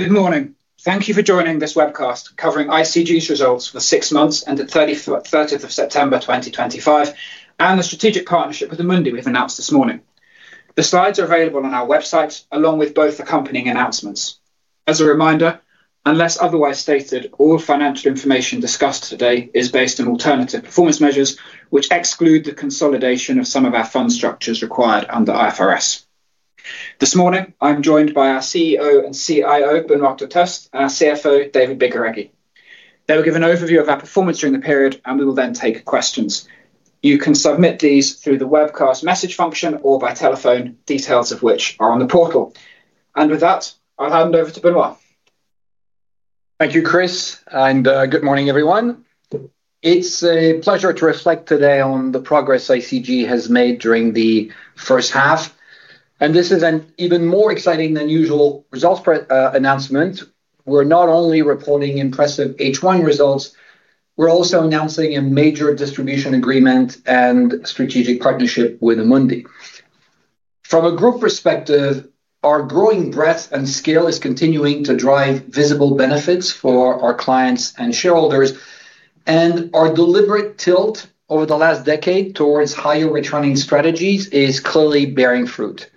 Good morning. Thank you for joining this webcast covering ICG's results for six months ended 30 September 2025 and the strategic partnership with Amundi we've announced this morning. The slides are available on our website along with both accompanying announcements. As a reminder, unless otherwise stated, all financial information discussed today is based on alternative performance measures, which exclude the consolidation of some of our fund structures required under IFRS. This morning I'm joined by our CEO and CIO Benoit Durteste, our CFO David Bicarregui. They will give an overview of our performance during the period and we will then take questions. You can submit these through the webcast message function or by telephone, details of which are on the portal and with that I'll hand over to Benoit. Thank you, Chris, and good morning everyone. It's a pleasure to reflect today on the progress ICG has made during the first half, and this is an even more exciting than usual results announcement. We're not only reporting impressive H1 results, we're also announcing a major distribution agreement and strategic partnership with Amundi. From a group perspective, our growing breadth and scale is continuing to drive visible benefits for our clients and shareholders, and our deliberate tilt over the last decade towards higher returning strategies is clearly bearing fruit.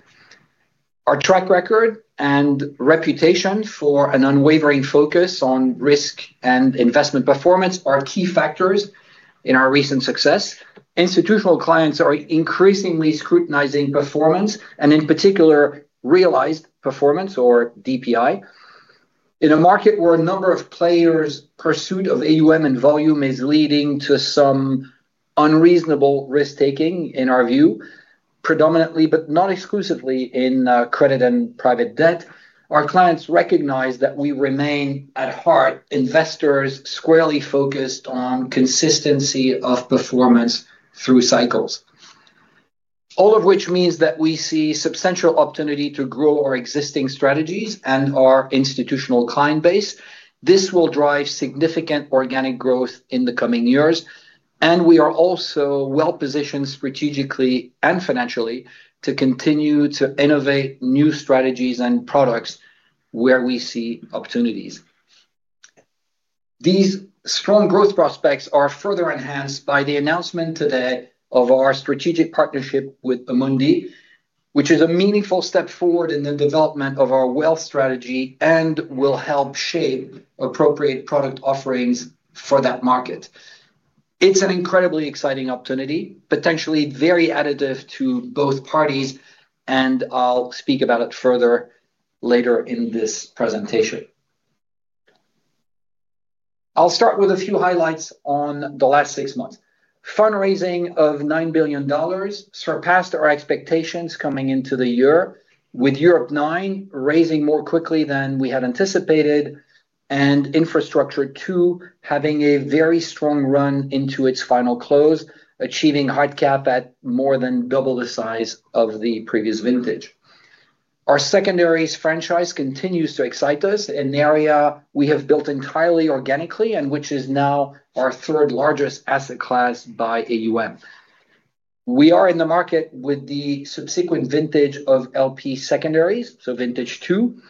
Our track record and reputation for an unwavering focus on risk and investment performance are key factors in our recent success. Institutional clients are increasingly scrutinizing performance and in particular realized performance or DPI, in a market where a number of players, pursuit of AUM and volume is leading to some unreasonable risk taking, in our view, predominantly but not exclusively in credit and private debt. Our clients recognize that we remain at heart investors squarely focused on consistency of performance through cycles. All of which means that we see substantial opportunity to grow our existing strategies and our institutional client base. This will drive significant organic growth in the coming years and we are also well positioned strategically and financially to continue to innovate new strategies and products where we see opportunities. These strong growth prospects are further enhanced by the announcement today of our strategic partnership with Amundi, which is a meaningful step forward in the development of our wealth strategy and will help shape appropriate product offerings for that market. It's an incredibly exciting opportunity, potentially very additive to both parties, and I'll speak about it further later in this presentation. I'll start with a few highlights on the last six months. Fundraising of $9 billion surpassed our expectations coming into the year, with Europe IX raising more quickly than we had anticipated and Infrastructure 2 having a very strong run into its final close, achieving hard cap at more than double the size of the previous vintage. Our secondary franchise continues to excite us. An area we have built entirely organically and which is now our third largest asset class by AUM. We are in the market with the subsequent vintage of LP secondaries, so vintage two,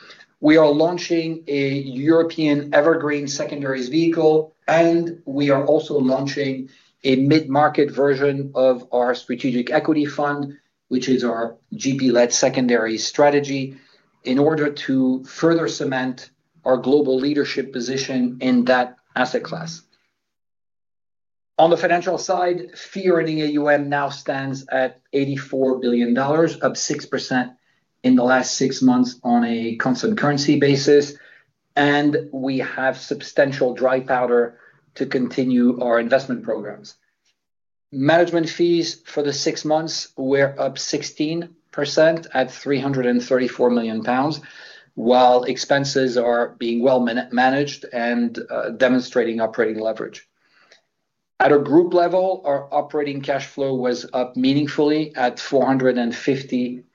we are launching a European evergreen secondary vehicle. And we are also launching a mid market version of our strategic equity fund, which is our GP led secondary strategy, in order to further cement our global leadership position in that asset class. On the financial side, fee earning AUM now stands at $84 billion, up 6% in the last six months on a constant currency basis. And we have substantial dry powder to continue our investment programs. Management fees for the six months were up 16% at 334 million pounds. While expenses are being well managed and demonstrating operating leverage at a group level, our operating cash flow was up meaningfully at 450 million pounds.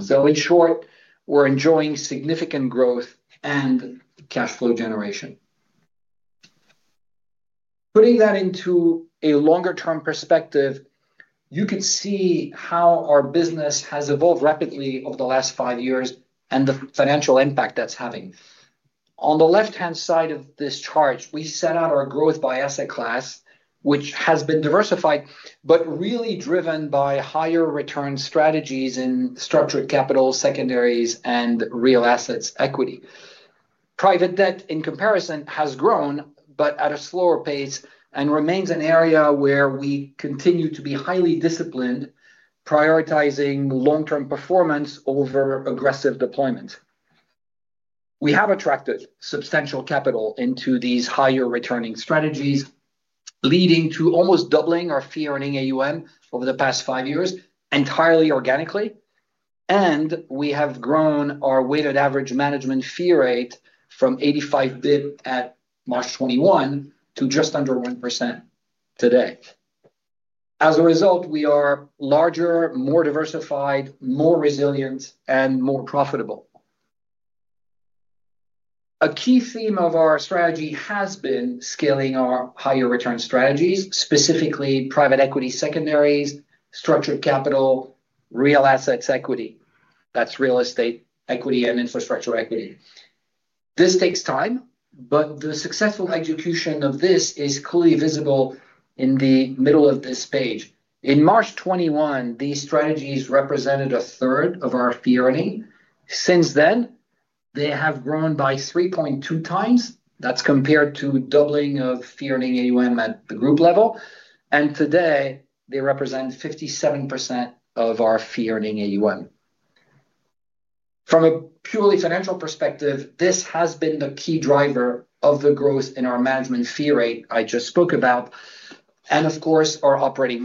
So in short, we're enjoying significant growth and cash flow generation. Putting that into a longer term perspective, you can see how our business has evolved rapidly over the last five years and the financial impact that's having. On the left hand side of this chart, we set out our growth by asset class, which has been diversified, but really driven by higher return strategies in structured capital secondaries and real assets equity. Private debt in comparison has grown, but at a slower pace and remains an area where we continue to be highly disciplined, prioritizing long term performance over aggressive deployment. We have attracted substantial capital into these higher returning strategies, leading to almost doubling our fee earning AUM over the past five years entirely organically. We have grown our weighted average management fee rate from 85 basis points at March 2021 to just under 1% today. As a result, we are larger, more diversified, more resilient and more profitable. A key theme of our strategy has been scaling our higher return strategies, specifically private equity secondaries, structured capital, real assets equity, that's real estate equity and infrastructure equity. This takes time, but the successful execution of this is clearly visible in the middle of this page. In March 2021, these strategies represented a third of our fee earning. Since then they have grown by 3.2 times. That is compared to doubling of fee earning AUM at the group level. Today they represent 57% of our fee earning AUM. From a purely financial perspective, this has been the key driver of the growth in our management fee rate I just spoke about and of course our operating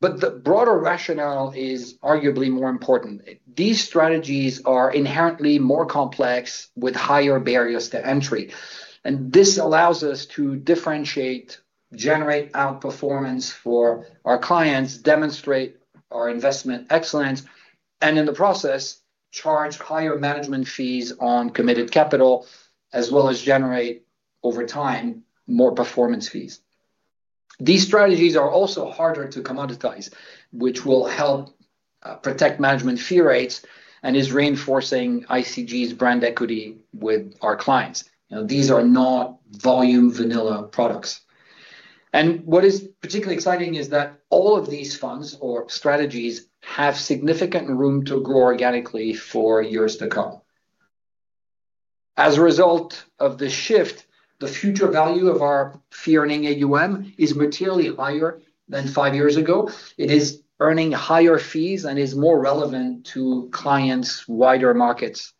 margin. The broader rationale is arguably more important. These strategies are inherently more complex, with higher barriers to entry, and this allows us to differentiate, generate outperformance for our clients, demonstrate our investment excellence, and in the process charge higher management fees on committed capital as well as generate over time more performance fees. These strategies are also harder to commoditize, which will help protect management fee rates and is reinforcing ICG's brand equity with our clients. These are not volume vanilla products, and what is particularly exciting is that all of these funds or strategies have significant room to grow organically for years to come. As a result of the shift, the future value of our fee earning AUM is materially higher than five years ago. It is earning higher fees and is more relevant to clients' wider markets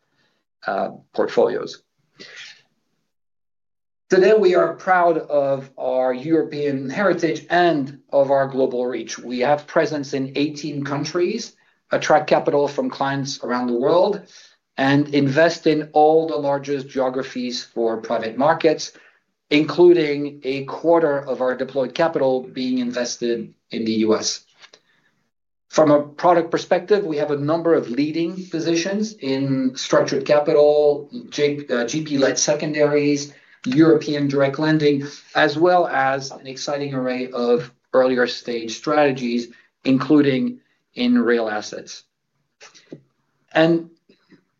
portfolios. Today we are proud of our European heritage and of our global reach. We have presence in 18 countries, attract capital from clients around the world and invest in all the largest geographies for private markets, including a quarter of our deployed capital being invested in the U.S. From a product perspective, we have a number of leading positions in structured capital, GP-led secondaries, European direct lending, as well as an exciting array of earlier stage strategies, including in real assets.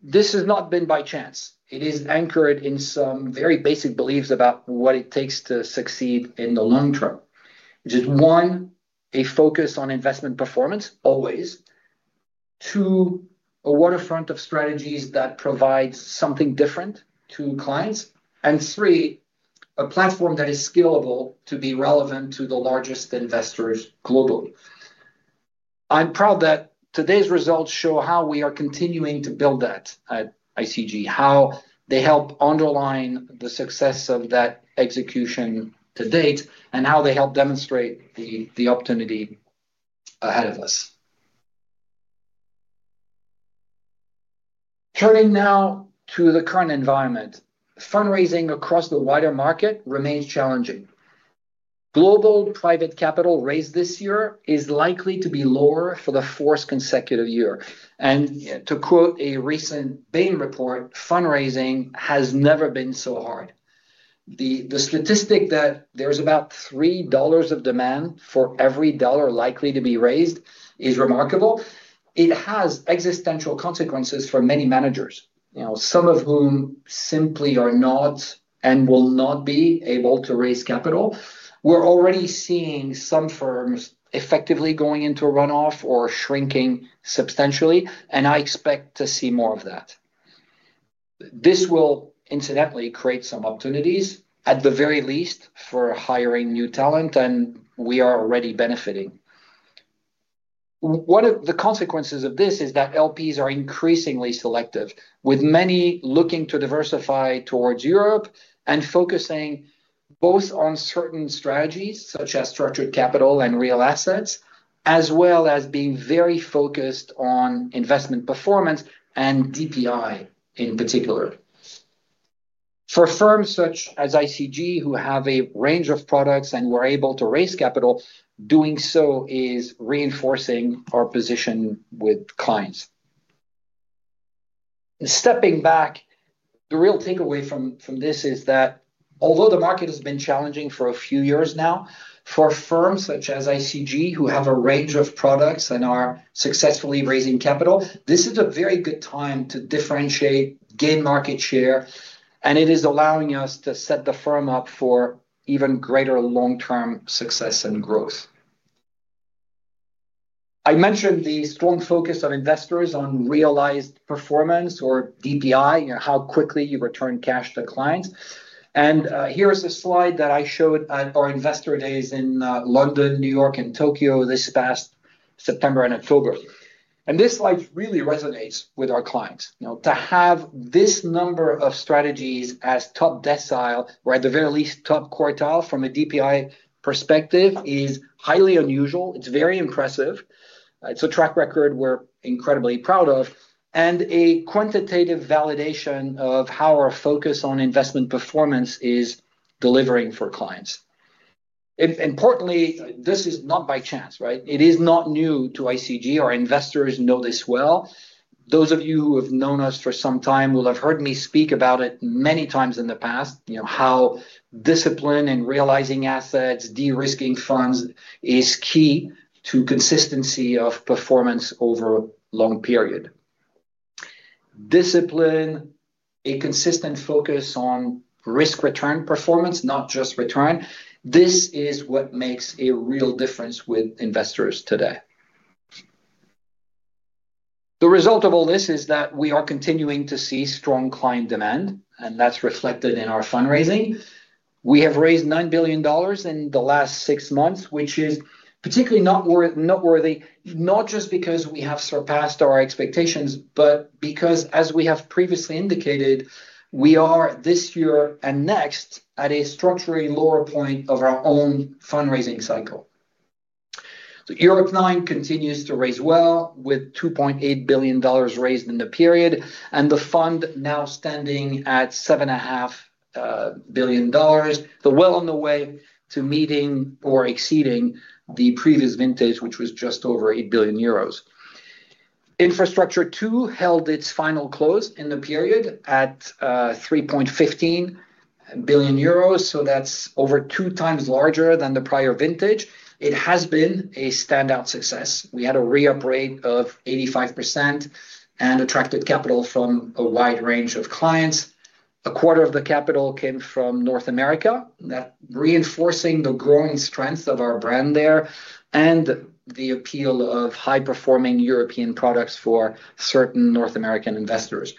This has not been by chance. It is anchored in some very basic beliefs about what it takes to succeed in the long term, which is 1 a focus on investment performance always, 2 a waterfront of strategies that provide something different to clients, and 3 a platform that is scalable to be relevant to the largest investors globally. I'm proud that today's results show how we are continuing to build that at ICG, how they help underline the success of that execution to date, and how they help demonstrate the opportunity ahead of us. Turning now to the current environment, fundraising across the wider market remains challenging. Global private capital raised this year is likely to be lower for the fourth consecutive year, and to quote a recent Bain report, fundraising has never been so hard. The statistic that there's about $3 of demand for every dollar likely to be raised is remarkable. It has existential consequences for many managers, some of whom simply are not and will not be able to raise capital. We're already seeing some firms effectively going into runoff or shrinking substantially, and I expect to see more of that. This will incidentally create some opportunities, at the very least for hiring new talent, and we are already benefiting. One of the consequences of this is that LPs are increasingly selective, with many looking to diversify towards Europe and focusing both on certain strategies such as structured capital and real assets, as well as being very focused on investment performance and DPI in particular for firms such as ICG, who have a range of products and were able to raise capital. Doing so is reinforcing our position with clients stepping back. The real takeaway from this is that although the market has been challenging for a few years now, for firms such as ICG who have a range of products and are successfully raising capital, this is a very good time to differentiate, gain market share. It is allowing us to set the firm up for even greater long term success and growth. I mentioned the strong focus of investors on realized performance or DPI, how quickly you return cash to clients. Here is a slide that I showed at our investor days in London, New York, and Tokyo this past September and October. This slide really resonates with our clients. To have this number of strategies as top decile or at the very least top quartile from a DPI perspective is highly unusual. It is very impressive. It is a track record we are incredibly proud of and a quantitative validation of how our focus on investment performance is delivering for clients. Importantly, this is not by chance, right? It is not new to ICG. Our investors know this well. Those of you who have known us for some time will have heard me speak about it many times in the past. You know how discipline and realizing assets, de-risking funds, is key to consistency of performance over a long period. Discipline, a consistent focus on risk, return, performance, not just return. This is what makes a real difference with investors today. The result of all this is that we are continuing to see strong client demand and that's reflected in our fundraising. We have raised $9 billion in the last six months, which is particularly noteworthy. Not just because we have surpassed our expectations, but because as we have previously indicated, we are this year and next at a structurally lower point of our own fundraising cycle. Europe IX continues to raise well with $2.8 billion raised in the period and the fund now standing at EUR 7.5 billion, well on the way to meeting or exceeding the previous vintage, which was just over 8 billion euros. Infrastructure 2 held its final close in the period at 3.15 billion euros. That is over two times larger than the prior vintage. It has been a stand. We had a re-up rate of 85% and attracted capital from a wide range of clients. A quarter of the capital came from North America, reinforcing the growing strength of our brand there and the appeal of high performing European products for certain North American investors.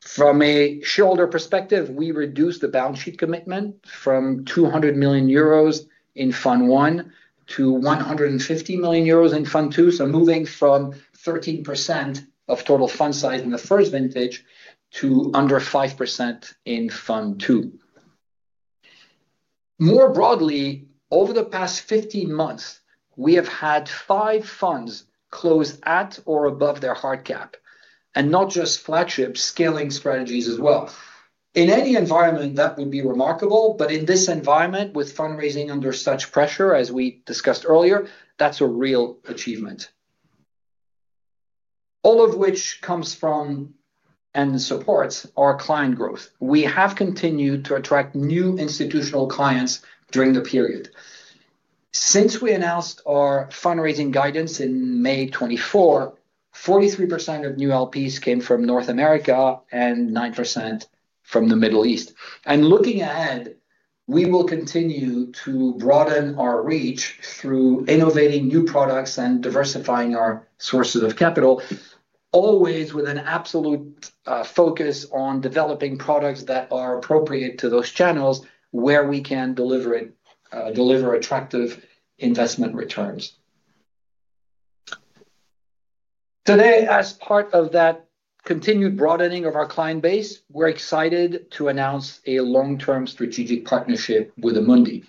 From a shareholder perspective, we reduced the balance sheet commitment from 200 million euros in fund one to 150 million euros in fund two. Moving from 13% of total fund size in the first vintage to under 5% in fund two. More broadly, over the past 15 months we have had five funds close at or above their hard cap and not just flagship scaling strategies as well. In any environment, that would be remarkable. In this environment, with fundraising under such pressure, as we discussed earlier, that's a real achievement. All of which comes from and supports our client growth. We have continued to attract new institutional clients during the period since we announced our fundraising guidance in May 2024, 43% of new LPs came from North America and 9% from the Middle East. Looking ahead, we will continue to broaden our reach through innovating new products and diversifying our sources of capital, always with an absolute focus on developing products that are appropriate to those channels where we can deliver attractive investment returns. Today, as part of that continued broadening of our client base, we're excited to announce a long term strategic partnership with Amundi.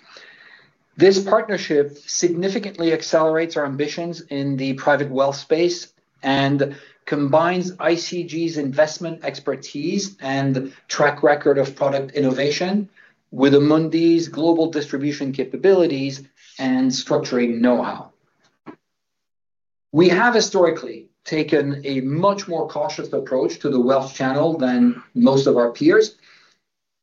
This partnership significantly accelerates our ambitions in the private wealth space and combines ICG's investment expertise and track record of product innovation with Amundi's global distribution capabilities and structuring know how. We have historically taken a much more cautious approach to the wealth channel than most of our peers.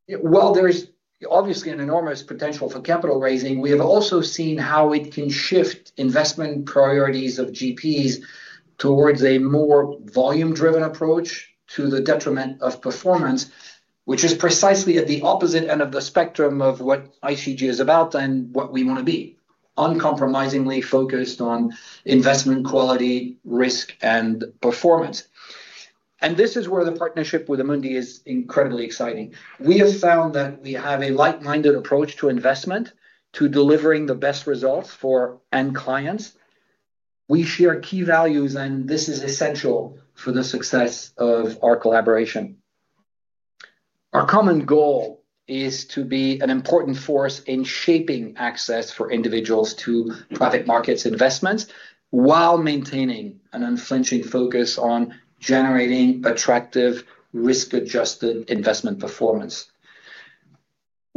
While there is obviously an enormous potential for capital raising, we have also seen how it can shift investment priorities of GPs towards a more volume-driven approach to the detriment of performance, which is precisely at the opposite end of the spectrum of what ICG is about and what we want to be uncompromisingly focused on. Investment, quality, risk, and performance. This is where the partnership with Amundi is incredibly exciting. We have found that we have a like-minded approach to investment, to delivering the best results for end clients. We share key values and this is essential for the success of our collaboration. Our common goal is to be an important force in shaping access for individuals to private markets investments while maintaining an unflinching focus on generating attractive risk-adjusted investment performance.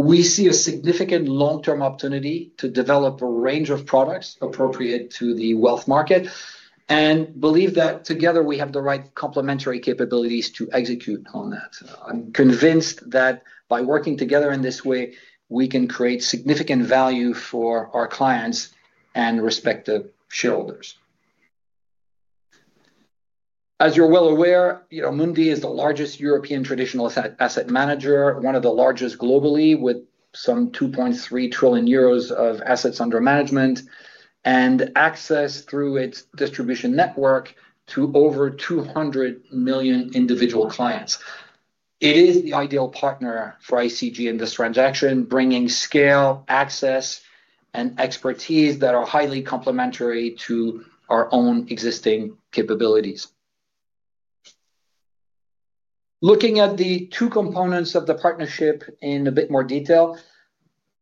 We see a significant long term opportunity to develop a range of products appropriate to the wealth market and believe that together we have the right complementary capabilities to execute on that. I'm convinced that by working together in this way we can create significant value for our clients and respective shareholders. As you're well aware, Amundi is the largest European traditional asset manager, one of the largest globally with some 2.3 trillion euros of assets under management and access through its distribution network to over 200 million individual clients. It is the ideal partner for ICG in this transaction, bringing scale, access and expertise that are highly complementary to our own existing capabilities. Looking at the two components of the partnership in a bit more detail,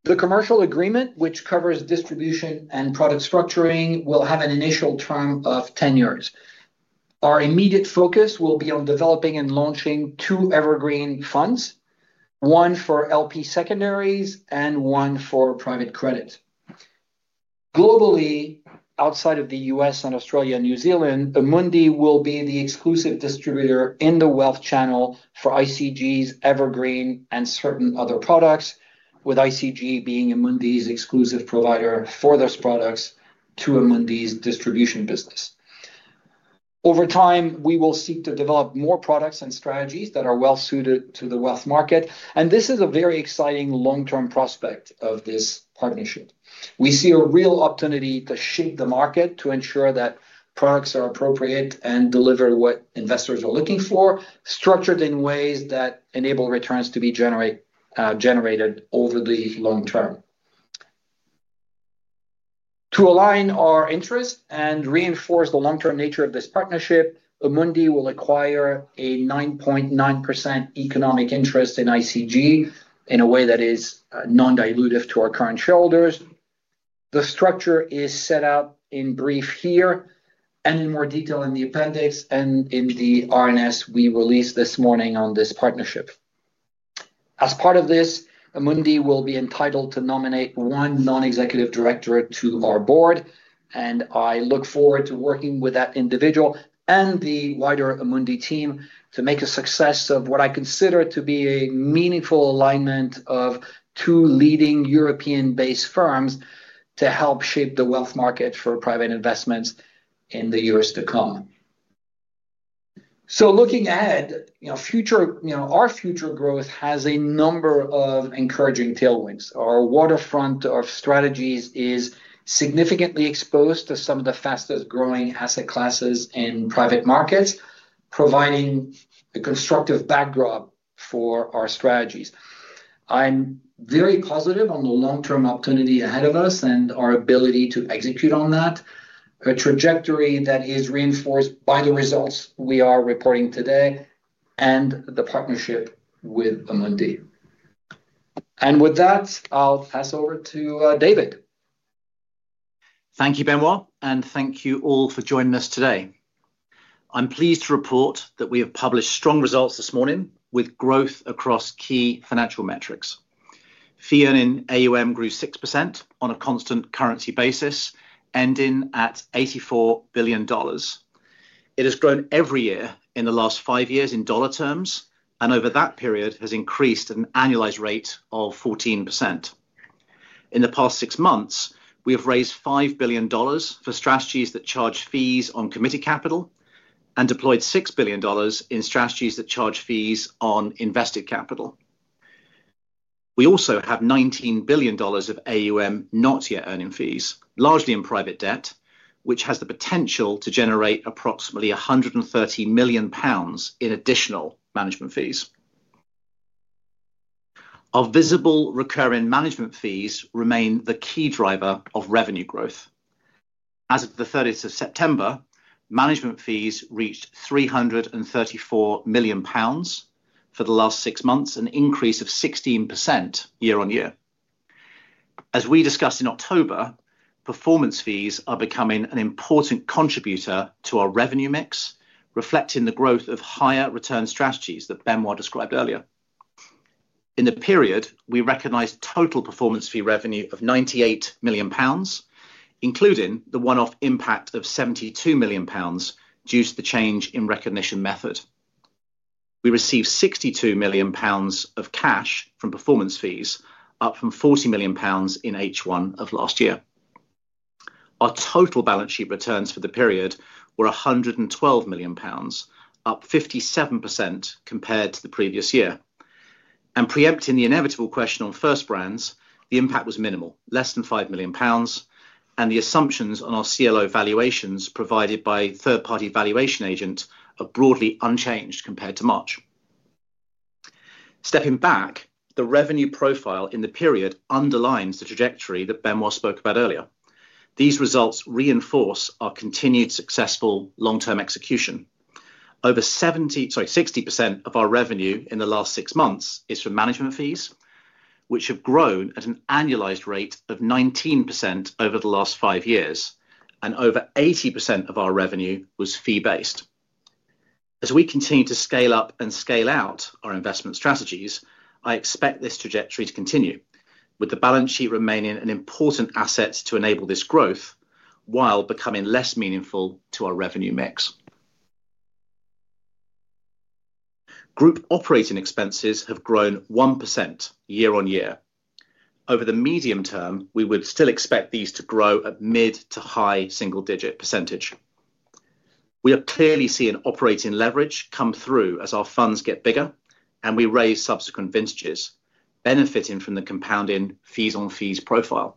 the commercial agreement which covers distribution and product structuring, will have an initial term of 10 years. Our immediate focus will be on developing and launching two evergreen funds, one for LP secondaries and one for private credit globally outside of the U.S. and Australia and New Zealand. Amundi will be the exclusive distributor in the wealth channel for ICG's Evergreen and certain other products with ICG being Amundi's exclusive provider for those products to Amundi's distribution business. Over time we will seek to develop more products and strategies that are well suited to the wealth market and this is a very exciting long term prospect of this partnership. We see a real opportunity to shape the market to ensure that products are appropriate and deliver what investors are looking for, structured in ways that enable returns to be generated over the long term. To align our interest and reinforce the long term nature of this partnership, Amundi will acquire a 9.9% economic interest in ICG in a way that is non-dilutive to our current shareholders. The structure is set up in brief here and in more detail in the Appendix and in the RNS we released this morning on this partnership. As part of this, Amundi will be entitled to nominate one Non-Executive Director to our Board and I look forward to working with that individual and the wider Amundi team to make a success of what I consider to be a meaningful alignment of two leading European-based firms to help shape the wealth market for private investments in the years to come. Looking ahead, our future growth has a number of encouraging tailwinds. Our waterfront of strategies is significantly exposed to some of the fastest growing asset classes in private markets, providing a constructive backdrop for our strategies. I'm very positive on the long term opportunity ahead of us and our ability to execute on that. A trajectory that is reinforced by the results we are reporting today and the partnership with Amundi. With that I'll pass over to David. Thank you Benoit and thank you all for joining us today. I'm pleased to report that we have published strong results this morning with growth across key financial metrics. Fee earning AUM grew 6% on a constant currency basis ending at $84 billion. It has grown every year in the last five years in dollar terms and over that period has increased at an annualized rate of 14%. In the past six months we have raised $5 billion for strategies that charge fees on committed capital and deployed $6 billion in strategies that charge fees on invested capital. We also have $19 billion of AUM not yet earning fees largely in private debt, which has the potential to generate approximately 130 million pounds in additional management fees. Our visible recurring management fees remain the key driver of revenue growth as of 30 September. Management fees reached 334 million pounds for the last six months, an increase of 16% year-on-year. As we discussed in October, performance fees are becoming an important contributor to our revenue mix, reflecting the growth of higher return strategies that Benoit described. Earlier in the period we recognised total performance fee revenue of 98 million pounds including the one off impact of 72 million pounds. Due to the change in recognition method, we received 62 million pounds of cash from performance fees, up from 40 million pounds in H1 of last year. Our total balance sheet returns for the period were 112 million pounds, up 57% compared to the previous year and preempting the inevitable question on First Brands the impact was minimal, less than 5 million pounds and the assumptions on our CLO valuations provided by third party valuation agent are broadly unchanged compared to March. Stepping back, the revenue profile in the period underlines the trajectory that Benoit spoke about earlier. These results reinforce our continued successful long term execution. Over 60% of our revenue in the last six months is from management fees, which have grown at an annualized rate of 19% over the last five years, and over 80% of our revenue was fee based. As we continue to scale up and scale out our investment strategies, I expect this trajectory to continue, with the balance sheet remaining an important asset to enable this growth while becoming less meaningful to our revenue mix. Group operating expenses have grown 1% year-on-year. Over the medium term, we would still expect these to grow at mid- to high single digit percentage. We are clearly seeing operating leverage come through as our funds get bigger and we raise subsequent vintages, benefiting from the compounding fees on fees profile.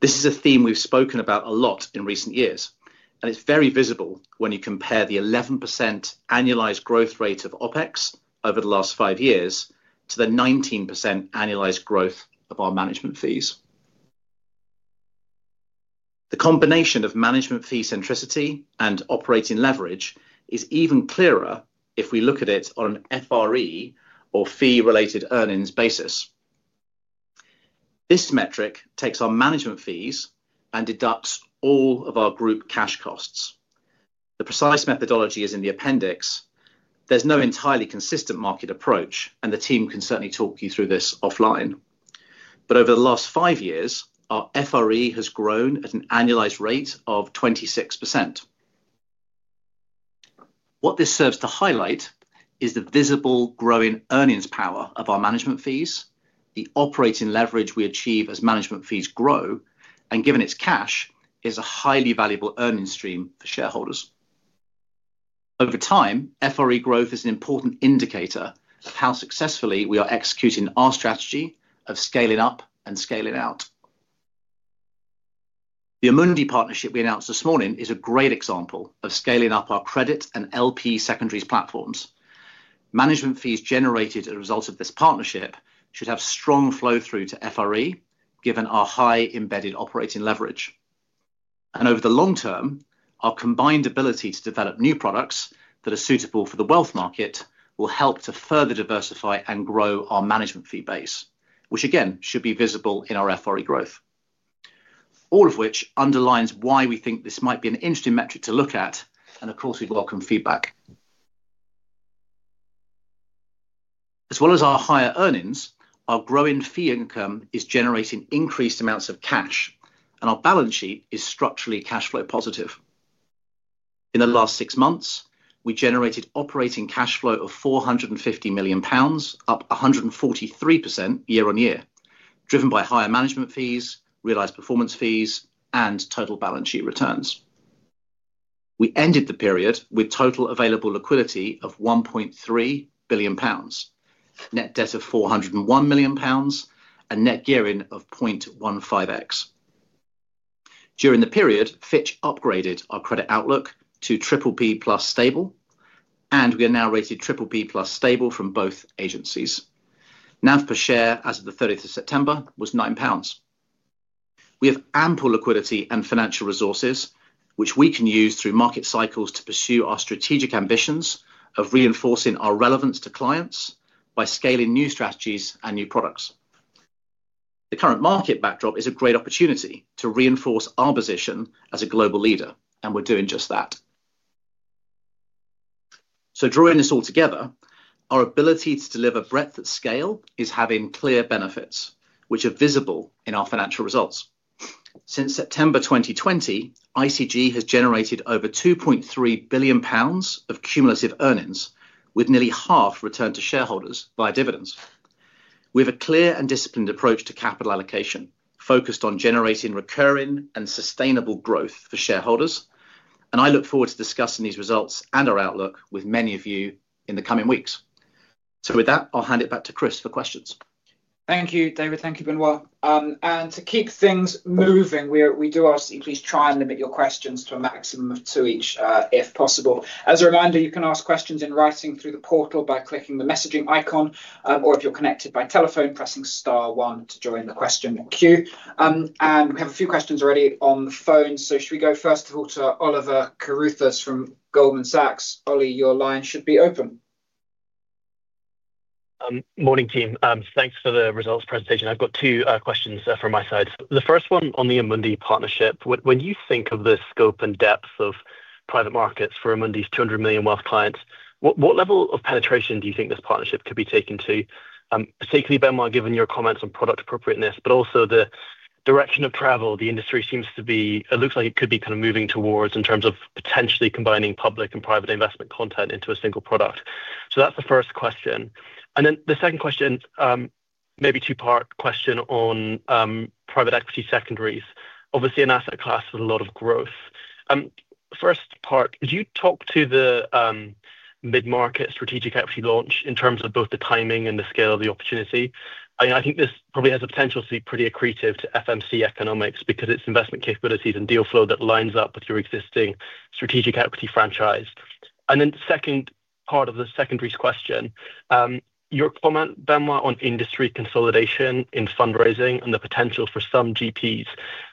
This is a theme we've spoken about a lot in recent years, and it's very visible when you compare the 11% annualized growth rate of OpEx over the last five years to the 19% annualized growth of our management fees. The combination of management fee centricity and operating leverage is even clearer if we look at it on a frequency fee related earnings basis. This metric takes our management fees and deducts all of our group cash costs. The precise methodology is in the appendix. There is no entirely consistent market approach, and the team can certainly talk you through this offline, but over the last five years our FRE has grown at an annualized rate of 26%. What this serves to highlight is the visible growing earnings power of our management fees, the operating leverage we achieve as management fees grow, and given its cash, is a highly valuable earnings stream for shareholders over time. FRE growth is an important indicator of how successfully we are executing our strategy of scaling up and scaling out. The Amundi partnership we announced this morning is a great example of scaling up our credit and LP secondaries platforms. Management fees generated as a result of this partnership should have strong flow through to FRE given our high embedded operating leverage. Over the long term, our combined ability to develop new products that are suitable for the wealth market will help to further diversify and grow our management fee base, which again should be visible in our FRE growth. All of which underlines why we think this might be an interesting metric to look at. Of course we welcome feedback as well as our higher earnings. Our growing fee income is generating increased amounts of cash and our balance sheet is structurally cash flow positive. In the last six months we generated operating cash flow of 450 million pounds, up 143% year-on-year, driven by higher management fees, realized performance fees and total balance sheet returns. We ended the period with total available liquidity of 1.3 billion pounds, net debt of 401 million pounds and net gearing of 0.15x. During the period, Fitch Ratings upgraded our credit outlook to positive stable and we are now rated BBB stable from both agencies. NAV per share as of 30th September was 9 pounds. We have ample liquidity and financial resources which we can use through market cycles to pursue our strategic ambitions of reinforcing our relevance to clients by scaling new strategies and new products. The current market backdrop is a great opportunity to reinforce our position as a global leader and we're doing just that. Drawing this all together, our ability to deliver breadth of scale is having clear benefits which are visible in our financial results. Since September 2020, ICG has generated over 2.3 billion pounds of cumulative earnings, with nearly half returned to shareholders via dividends. We have a clear and disciplined approach to capital allocation focused on generating recurring and sustainable growth for shareholders and I look forward to discussing these results and our outlook with many of you in the coming weeks. With that, I'll hand it back to Chris for questions. Thank you David, thank you Benoit, and to keep things moving, we do ask you please try and limit your questions to a maximum of two each if possible. As a reminder, you can ask questions in writing through the portal by clicking the messaging icon or if you're connected by telephone, pressing star one to join the question queue. We have a few questions already on the phone. Should we go first of all to Oliver Caruthers from Goldman Sachs? Ollie, your line should be open. Morning team. Thanks for the results presentation. I've got two questions from my side. The first one on the Amundi partnership. When you think of the scope and depth of private markets for Amundi's 200 million wealth clients, what level of penetration do you think this partnership could be taken to? Particularly Benoit, given your comments on product appropriateness but also the direction of travel. The industry seems to be, it looks like it could be kind of moving towards in terms of potentially combining public and private investment content into a single product. That is the first question. The second question, maybe two part question on private equity secondaries. Obviously an asset class with a lot of growth. First part, could you talk to the mid market strategic equity launch in terms of both the timing and the scale of the opportunity? I think this probably has the potential to be pretty accretive to FMC economics because it's investment capabilities and deal flow that lines up with your existing strategic equity franchise. The second part of the secondary question, your comment, Benoit, on industry consolidation in fundraising and the potential for some GPs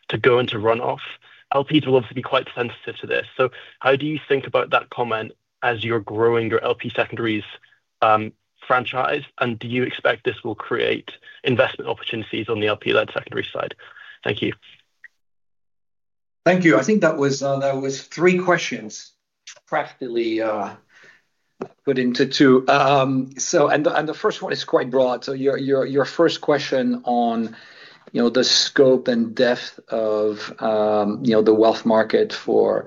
to go into runoff. LPs will obviously be quite sensitive to this. How do you think about that comment as you're growing your LP secondaries franchise and do you expect this will create investment opportunities on the LP led secondary side? Thank you. Thank you. I think that was three questions practically put into two and the first one is quite broad. Your first question on the scope and depth of the wealth market for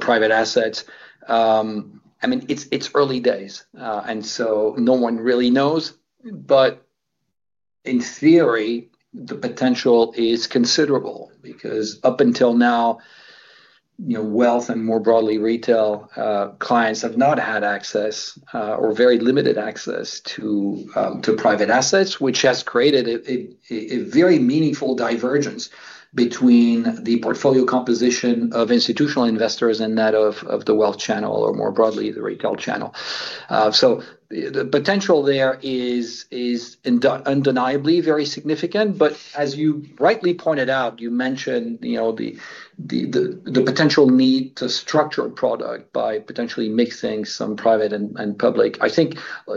private assets, I mean it's early days and no one really knows. In theory the potential is considerable because up until now wealth and, more broadly, retail clients have not had access or very limited access to private assets, which has created a very meaningful divergence between the portfolio composition of institutional investors and that of the wealth channel, or more broadly the regulation retail channel. The potential there is undeniably very significant. As you rightly pointed out, you mentioned the potential need to structure a product by potentially mixing some private and public. I think a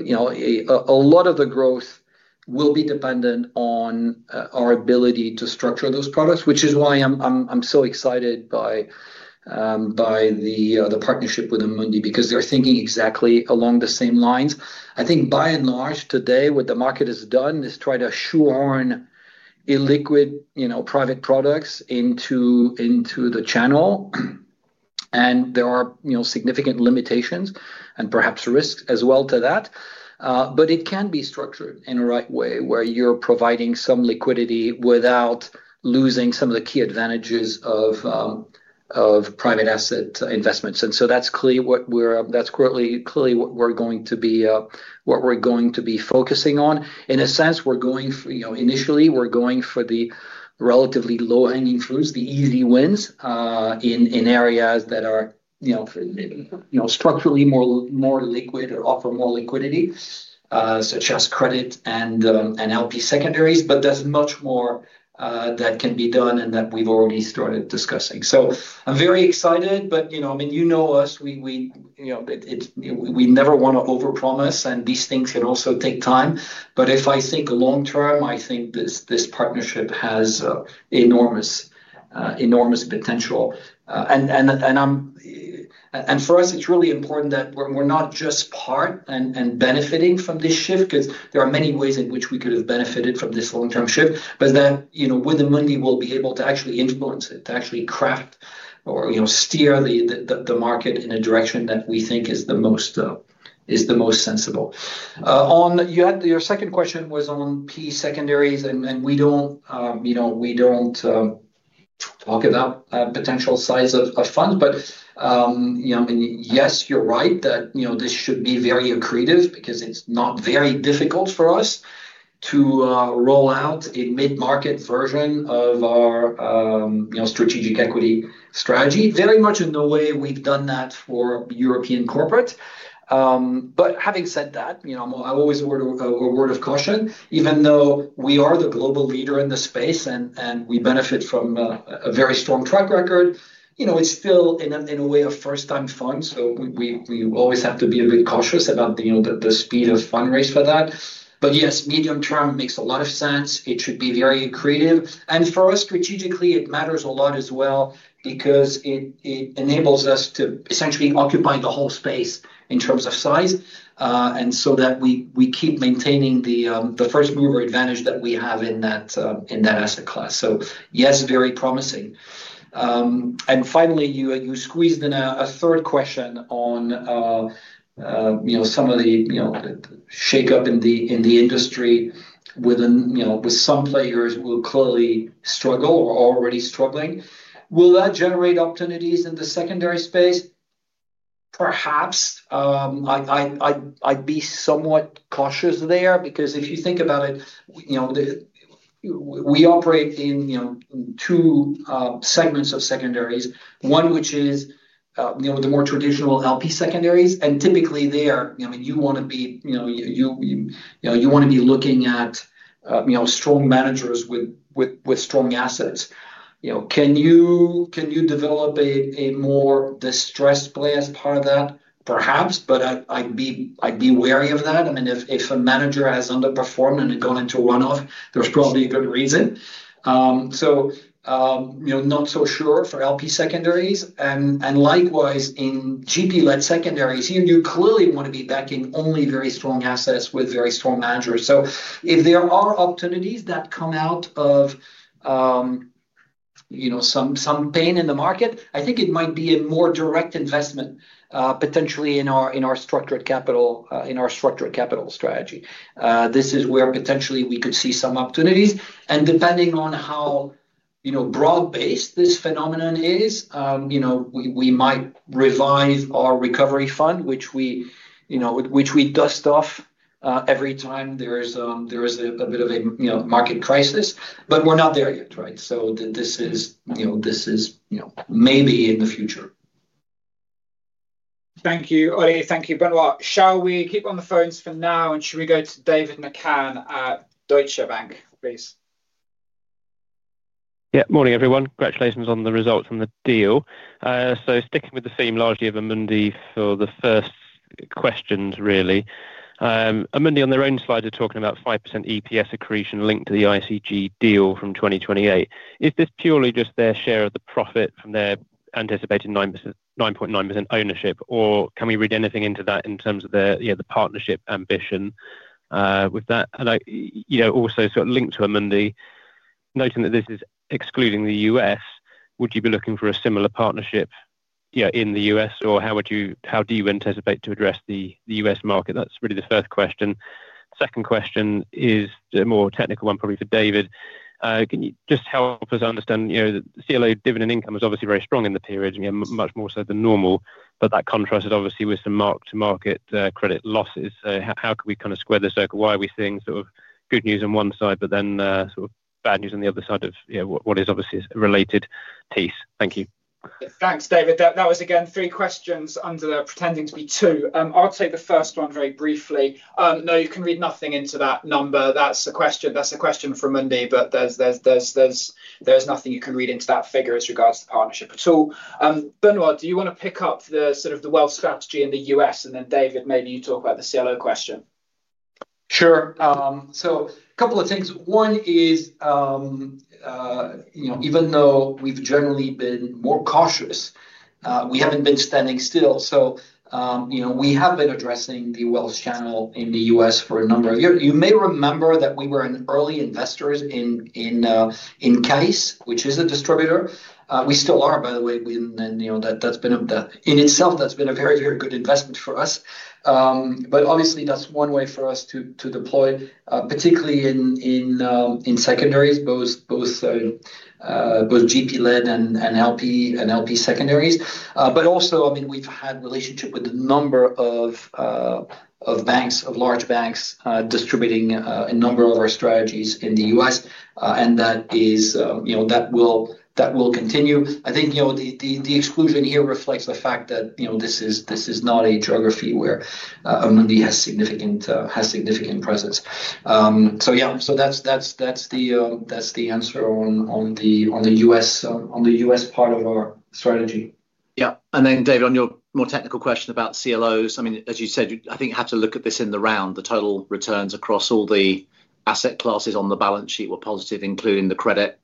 lot of the growth will be dependent on our ability to structure those products, which is why I'm so excited by the partnership with Amundi, because they're thinking exactly along the same lines. I think by and large today what the market has done is try to shoehorn illiquid private products into the channel. There are significant limitations and perhaps risks as well to that. It can be structured in the right way where you're providing some liquidity without losing some of the key advantages of private asset investments. That is clearly what we're going to be focusing on. In a sense we're going, you know, initially we're going for the relatively low hanging fruits, the easy wins in areas that are, you know, structurally more liquid or offer more liquidity such as credit and LP secondaries. There is much more that can be done and that we've already started discussing so I'm very excited. You know, I mean, you know us, we never want to over promise and these things can also take time. If I think long term, I think this partnership has enormous, enormous potential. For us it's really important that we're not just part and benefiting from this shift because there are many ways in which we could have benefited from this long term shift. You know, with the money we'll be able to actually influence it to actually craft or steer the market in a direction that we think is the most sensible. You had your second question was on P secondaries and we do not talk about potential size of funds. Yes, you are right that this should be very accretive because it is not very difficult for us to roll out a mid market version of our strategic equity strategy very much in the way we have done that for European corporate. Having said that, I always add a word of caution. Even though we are the global leader in the space and we benefit from a very strong track record, it is still in a way a first time fund. We always have to be a bit cautious about the speed of funding race for that. Yes, medium term makes a lot of sense. It should be very accretive and for us strategically it matters a lot as well because it enables us to essentially occupy the whole space in terms of size and so that we keep maintaining the first mover advantage that we have in that asset class. Yes, very promising. Finally, you squeezed in a third question on, you know, some of the shake up in the industry within, you know, with some players who will clearly struggle or are already struggling. Will that generate opportunities in the secondary space? Perhaps I'd be somewhat cautious there because if you think about it, you know, we operate in, you know, two segments of secondaries, one which is, you know, the more traditional LP secondaries. And typically there, I mean, you want to be, you know, you want to be looking at, you know, strong managers with strong assets. You know, can you develop a more distressed play as part of that? Perhaps, but I'd be wary of that. I mean, if a manager has underperformed and gone into one off, there's probably a good reason, so not so sure for LP secondaries. Likewise in GP-led secondaries here, you clearly want to be backing only very strong assets with very strong managers. If there are opportunities that come out of some pain in the market, I think it might be a more direct investment potentially in our structured capital strategy. This is where potentially we could see some opportunities. Depending on how broad based this phenomenon is, we might revive our recovery fund, which we dust off every time there is a bit of a market crisis, but we're not there yet. This is maybe in the future. Thank you, Ollie. Thank you, Benoit. Shall we keep on the phones for now and should we go to David McCann, Deutsche Bank, please? Yeah. Morning, everyone. Congratulations on the results and the deal. Sticking with the theme largely of Amundi for the first questions, really, Amundi on their own slides are talking about 5% EPS accretion linked to the ICG deal from 2028. Is this purely just their share of the profit from their anticipated 9.9% ownership, or can we read anything into that in terms of the partnership ambition? With that also linked to Amundi noting that this is excluding the U.S., would you be looking for a similar partnership in the U.S. or how do you anticipate to address the U.S. market? That is really the first question. Second question is a more technical one probably for David. Can you just help us understand CLO? Dividend income is obviously very strong in the period, much more so than normal. That contrasted obviously with some mark to market credit losses. How could we square the circle? Why are we seeing good news on one side but then bad news on the other side of what is obviously a related piece. Thank you. Thanks, David. That was again, three questions under pretending to be two. I'll take the first one very briefly. No, you can read nothing into that number. That's the question. That's a question from Amundi. But there's nothing you can read into that figure as regards the partnership at all. Benoit, do you want to pick up the wealth strategy in the U.S.? And then David, maybe you talk about the CLO question. Sure. A couple of things. One is, you know, even though we've generally been more cautious, we haven't been standing still. You know, we have been addressing the wealth channel in the U.S. for. A number of years. You may remember that we were an early investors in CAIS, which is a distributor. We still are, by the way. And you know that that's been, in itself, that's been a very, very good investment for us. Obviously, that's one way for us to deploy, particularly in secondaries, both GP-led and LP secondaries. Also, I mean, we've had relationship with a number of banks, of large banks distributing a number of our strategies in the U.S. and that will continue. I think the exclusion here reflects the fact that this is not a geography where Amundi has significant, has significant presence. So. Yeah, so that's the answer on the U.S. part of our strategy. Yeah. And then David, on your more technical question about CLOs, I mean, as you said, I think you have to look at this in the round. The total returns across all the asset classes on the balance sheet were positive, including the credit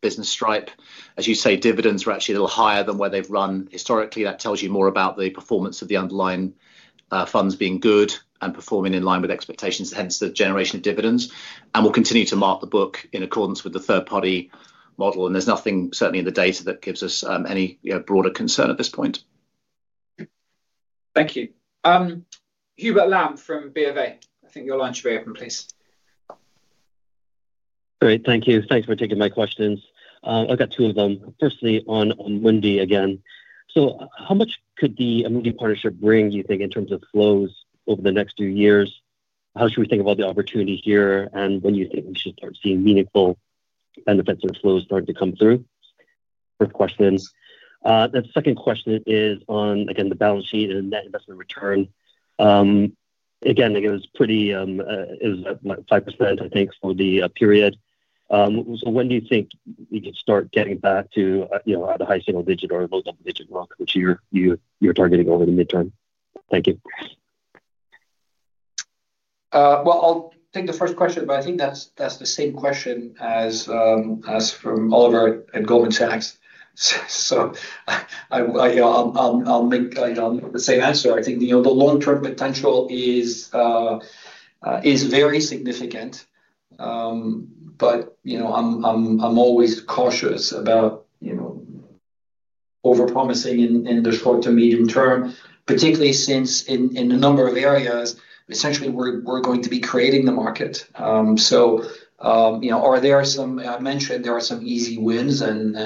business stripe. As you say, dividends are actually a little higher than where they've run historically. That tells you more about the performance of the underlying funds being good and performing in line with expectations, hence the generation of dividends. We'll continue to mark the book in accordance with the third party model. There's nothing certainly in the data that gives us any broader concern at this point. Thank you. Hubert Lamb from Bank of America. I think your line should be open, please. Great, thank you. Thanks for taking my questions. I've got two of them. Firstly, on Amundi again. How much could the partnership bring, you think, in terms of flows over the next few years? How should we think about the opportunity here and when you think we should start seeing meaningful benefits or flows starting to come through? First question, the second question is on again the balance sheet and net investment return again, it was pretty, it was 5%, I think, for the period. When do you think you can start getting back to, you know, at a high single digit or low double digit growth which you're, you, you're targeting over the midterm? Thank you. I'll take the first question, but I think that's the same question as from Oliver at Goldman Sachs. I'll make the same answer. I think, you know, the long term potential is very significant. You know, I'm always cautious about over promising in the short to medium term, particularly since in a number of areas essentially we're going to be creating the market. I mentioned there are some easy wins and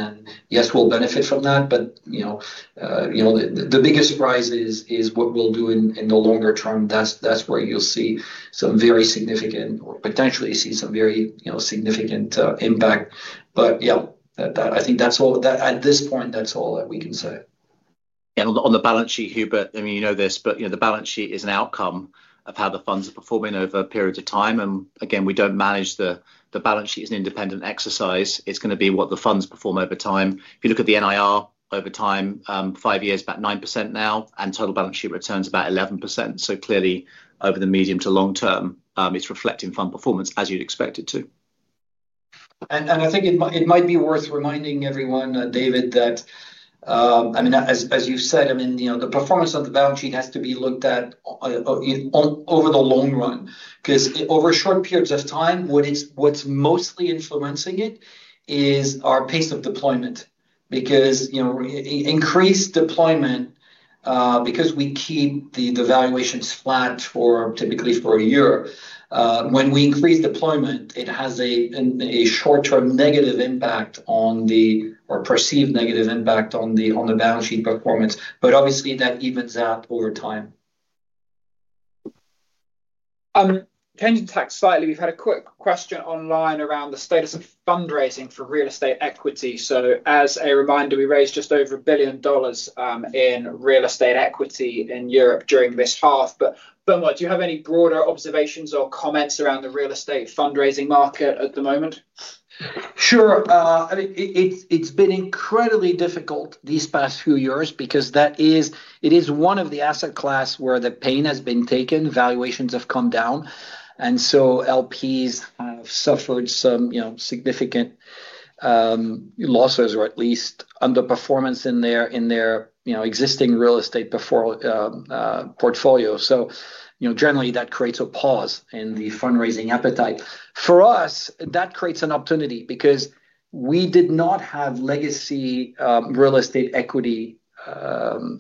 yes, we'll benefit from that. You know, the biggest surprise is what we'll do in the longer term, that's where you'll see some very significant or potentially see some very significant impact. I think that's all that at this point. That's all that we can say on. The balance sheet, Hubert. I mean, you know this but, you know, the balance sheet is an outcome of how the funds are performing over a period of time. Again, we do not manage the balance sheet as an independent exercise. It is going to be what the funds perform over time. If you look at the NIR over time, five years, about 9% now and total balance sheet returns about 11%. Clearly, over the medium to long term it is reflecting fund performance as you would expect it to. I think it might be worth reminding everyone, David, that I mean, as you said, the performance of the balance sheet has to be looked at over the long run because over short periods of time what's mostly influencing it is our pace of deployment because increased deployment, because we keep the valuations flat typically for a year, when we increase deployment, it has a short term negative impact on the, or perceived negative impact on the balance sheet performance. Obviously that evens out over time. Changing tack slightly. We've had a quick question online around the status of fundraising for real estate equity. As a reminder, we raised just over $1 billion in real estate equity during this half. Beaumont, do you have any broader observations or comments around the real estate fundraising market at the moment? Sure. It's been incredibly difficult these past few years because it is one of the asset class where the pain has been taken. Valuations have come down and so LPs have suffered some significant losses or at least underperformance in their, you know, existing real estate portfolio. You know, generally that creates a pause in the fundraising appetite for us, that creates an opportunity because we did not have legacy real estate equity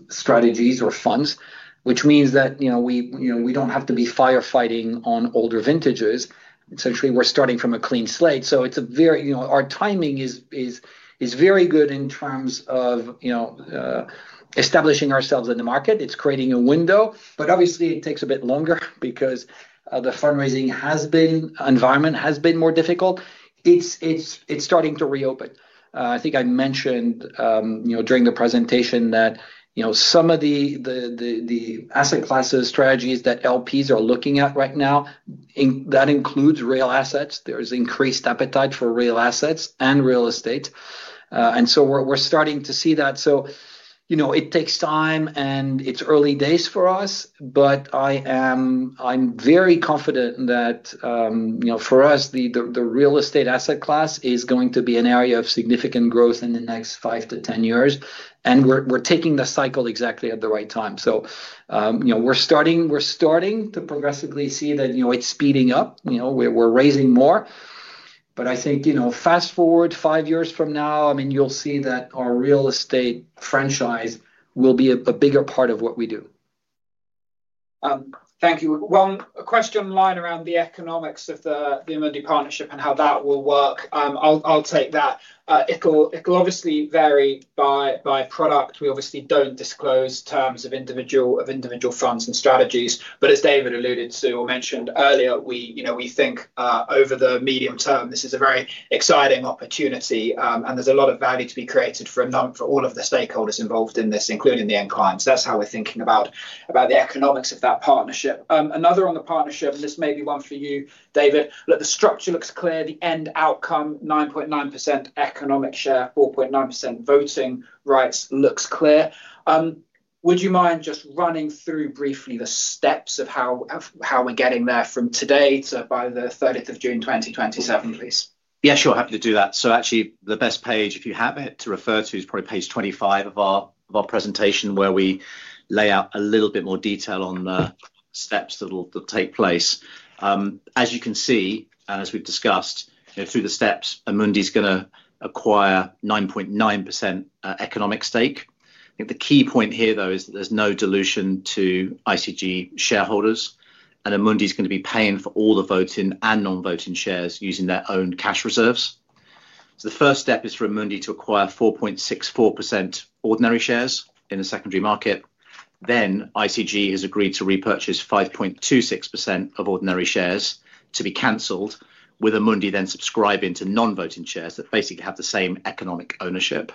strategies or funds which means that, you know, we, you know, we don't have to be firefighting on older vintages. Essentially we're starting from a clean slate so it's a very, you know, our timing is, is very good in terms of establishing ourselves in the market. It's creating a window, obviously it takes a bit longer because the fundraising environment has been more difficult. It's starting to reopen. I think I mentioned during the presentation that some of the asset classes, strategies that LPs are looking at right now, that includes real assets, there is increased appetite for real assets and real estate. And so we're starting to see that. It takes time and it's early days for us, but I'm very confident that for us, the real estate asset class is going to be an area of significant growth in the next five to 10 years. We're taking the cycle exactly at the right time. We're starting to progressively see that it's speeding up, we're raising more. I think, you know, fast forward five years from now, I mean, you'll see that our real estate franchise will be a bigger part of what we do. Thank you. One question line around the economics of the partnership and how that will work. I'll take that. It'll obviously vary by product. We obviously do not disclose terms of individual funds and strategies. As David alluded to or mentioned earlier, we, you know, we think over the medium term, this is a very exciting opportunity and there is a lot of value to be created for all of the stakeholders involved in this, including the end clients. That is how we are thinking about the economics of that partnership. Another on the partnership, and this may be one for you, David. Look, the structure looks clear. The end outcome, 9.9% economic share, 4.9% voting rights looks clear. Would you mind just running through briefly? The steps of how we're getting there from today by June 30, 2027, please? Yeah, sure, happy to do that. Actually, the best page, if you have it, to refer to is probably page 25 of our presentation, where we lay out a little bit more detail on the steps that will take place. As you can see, and as we've discussed through the steps, Amundi is going to acquire a 9.9% economic stake. I think the key point here, though, is there's no dilution to ICG shareholders and Amundi is going to be paying for all the voting and non-voting shares using their own cash reserves. The first step is for Amundi to acquire 4.64% ordinary shares in the secondary market. ICG has agreed to repurchase 5.26% of ordinary shares to be cancelled, with Amundi then subscribing to non-voting shares that basically have the same economic ownership.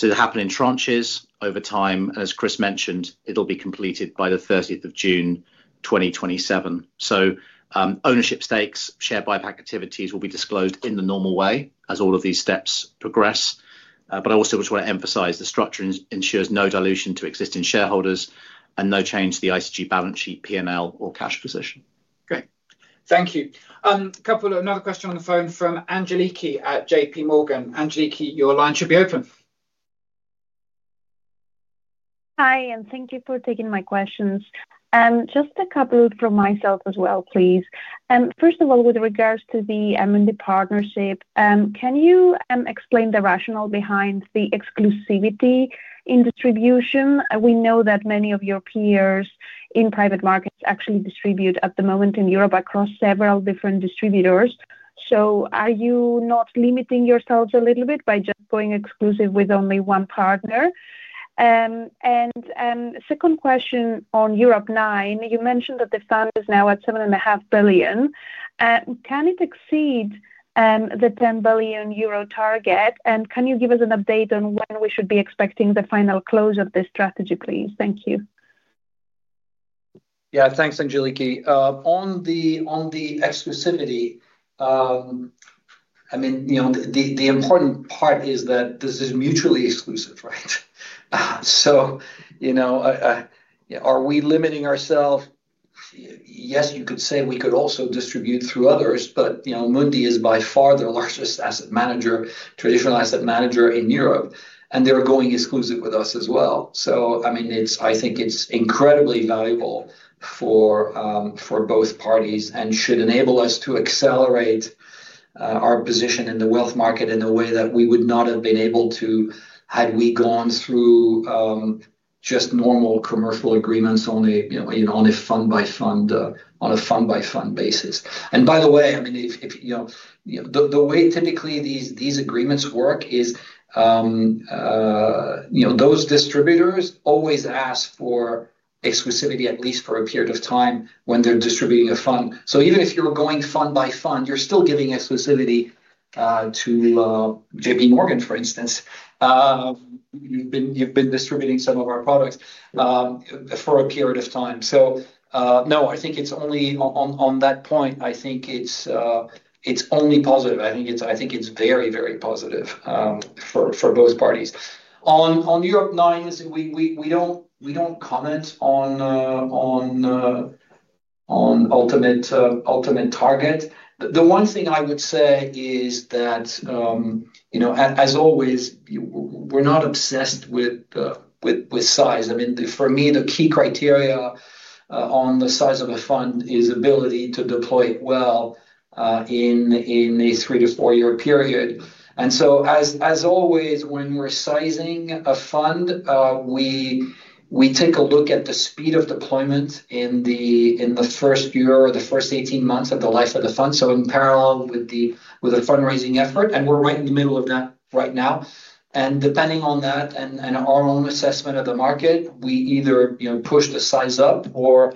They happen in tranches over time. As Chris mentioned, it will be completed by 30th June 2027. Ownership stakes, share buyback activities will be disclosed in the normal way as all of these steps progress. I also just want to emphasize the structure ensures no dilution to existing shareholders and no change to the ICG balance sheet, P&L or cash position. Great, thank you. Another question on the phone from Angeliki at JPMorgan. Angeliki, your line should be open. Hi, and thank you for taking my questions. Just a couple from myself as well, please. First of all, with regards to the Amundi partnership, can you explain the rationale behind the exclusivity in distribution? We know that many of your peers in private markets actually distribute at the moment in Europe across several different distributors. Are you not limiting yourselves a little bit by just going exclusive with only one partner? My second question, on Europe IX, you mentioned that the fund is now at 7.5 billion. Can it exceed the 10 billion euro target? Can you give us an update on when we should be expecting the final close of this strategy, please? Thank you. Yeah, thanks. Angeliki, on the exclusivity, I mean, you know, the important part is that this is mutually exclusive, right? You know, are we limiting ourselves? Yes, you could say we could also distribute through others, but, you know, Amundi is by far the largest asset manager, traditional asset manager in Europe and they're going exclusive with us as well. I think it's incredibly valuable for both parties and should enable us to accelerate our position in the wealth market in a way that we would not have been able to had we gone through just normal commercial agreements, only. On a. Fund by fund basis. By the way, I mean, the way typically these agreements work is those distributors always ask for exclusivity, at least for a period of time when they're distributing a fund. Even if you're going fund by fund, you're still giving exclusivity to JPMorgan, for instance. You've been distributing some of our products for a period of time. No, I think it's only on that point. I think it's only positive. I think it's very, very positive for both parties. On Europe IX, we don't comment on ultimate target. The one thing I would say is that, as always, we're not obsessed with size. For me, the key criteria on the size of a fund is ability to deploy it well in a three to four year period. As always, when we're sizing a fund, we take a look at the speed of deployment in the first year or the first 18 months of the life of the fund. In parallel with the fundraising effort, and we're right in the middle of that right now. Depending on that and our own assessment of the market, we either push the size up or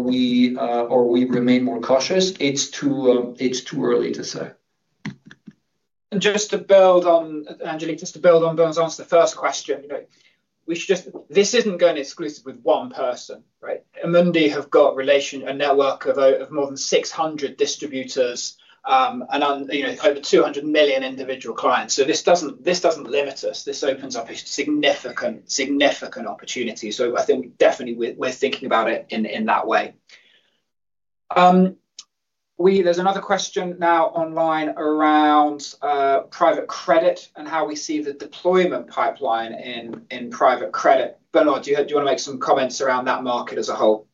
we remain more cautious. It's too early to say. Just to build on Angeliki, just to build on Benoit's answer to the first question. This is not going exclusive with one person. Right. Amundi have got a network of more than 600 distributors and over 200 million individual clients. This does not limit us. This opens up a significant opportunity. I think definitely we are thinking about it in that way. There is another question now online around private credit and how we see the deployment pipeline in private credit. Benoit, do you want to make some comments around that market as a whole?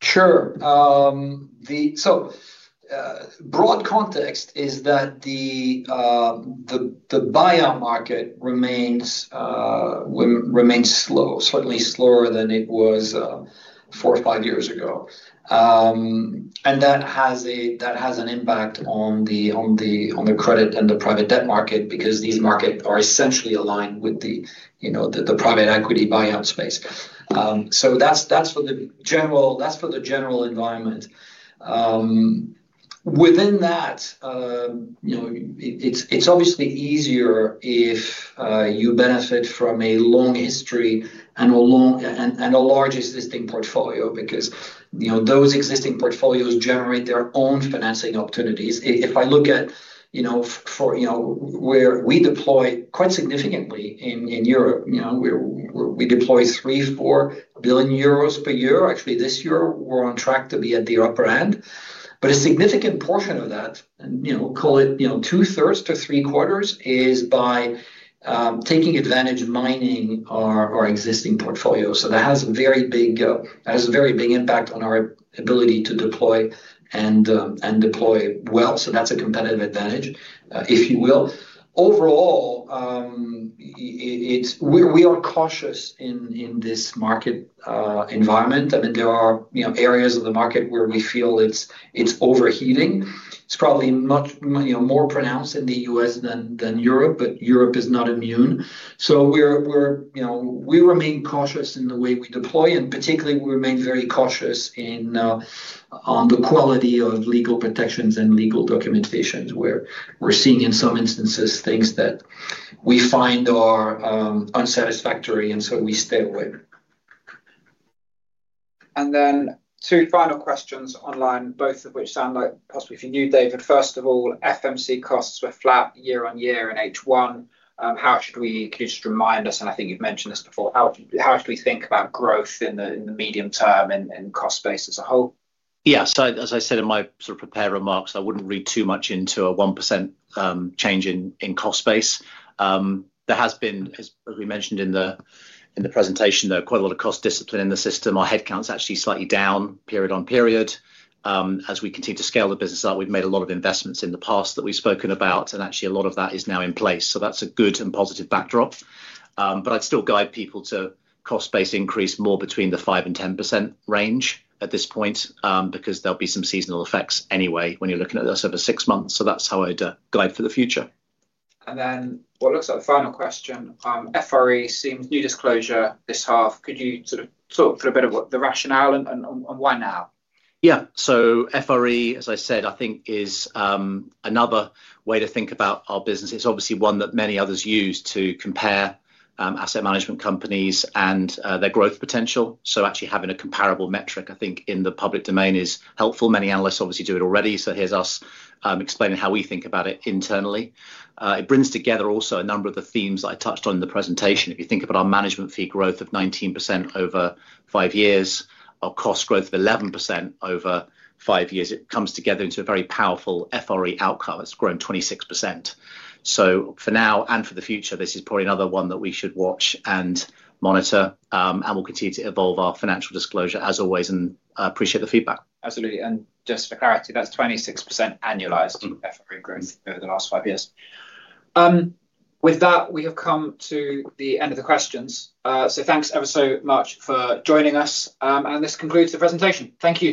Sure. Broad context is that the buyout market remains slow, certainly slower than it was four or five years ago. That has an impact on the credit and the private debt market, because these markets are essentially aligned with the, you know, the private equity buyout space. That is for the general environment. Within that, you know, it is obviously easier if you benefit from a long history. And. A large existing portfolio, because those existing portfolios generate their own financing opportunities. If I look at where we deploy quite significantly in Europe, we deploy 3.4 billion euros per year. Actually, this year, we're on track to be at the upper end. A significant portion of that, call it two-thirds to three-quarters, is by taking advantage of mining our existing portfolio. That has a very big impact on our ability to deploy and deploy well. That is a competitive advantage, if you will. Overall, we are cautious in this market environment. I mean, there are areas of the market where we feel it's overheating. It's probably much better, more pronounced in the U.S. than Europe, but Europe is not immune. We remain cautious in the way we deploy, and particularly we remain very cautious on the quality of legal protections and legal documentations where we're seeing, in some instances, things that we find are unsatisfactory. We stay away. Two final questions online, both of which sound like possibly, if you knew, David, first of all, FMC costs were flat year-on-year in H1. How should we. Could you just remind us, and I think you've mentioned this before, how should we think about growth in the, in the medium term and cost base as a whole? Yeah, as I said in my sort of prepared remarks, I would not read too much into a 1% change in cost base. There has been, as we mentioned in the presentation though, quite a lot of cost discipline in the system. Our headcount is actually slightly down, period on period as we continue to scale the business up. We have made a lot of investments in the past that we have spoken about and actually a lot of that is now in place. That is a good and positive backdrop. I would still guide people to cost base increase more between the 5-10% range at this point because there will be some seasonal effects anyway when you are looking at this over six months. That is how I would guide for the future. What looks like the final question. FRE seems new disclosure this half. Could you sort of talk through a. Bit of the rationale and why now? Yeah, so FRE, as I said, I think is another way to think about our business. It's obviously one that many others use to compare asset management companies and their growth potential. Actually having a comparable metric I think in the public domain is helpful. Many analysts obviously do it already. Here's us explaining how we think about it internally. It brings together also a number of the themes I touched on in the presentation. If you think about our management fee growth of 19% over five years, of cost growth of 11% over five years, it comes together into a very powerful FRE outcome. It's grown 26%. For now and for the future, this is probably another one that we should watch and monitor. We'll continue to evolve our financial disclosure as always and appreciate the feedback. Absolutely. And just for clarity, that's 26% annualized FRE growth over the last five years. With that, we have come to the end of the questions. So thanks ever so much for joining us. And this concludes the presentation. Thank you.